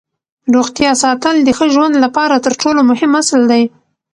روغتیا ساتل د ښه ژوند لپاره تر ټولو مهم اصل دی